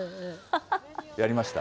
やりました？